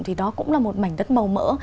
thì đó cũng là một mảnh đất màu mỡ